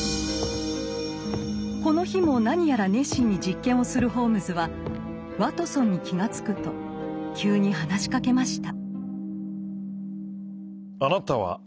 この日も何やら熱心に実験をするホームズはワトソンに気が付くと急に話しかけました。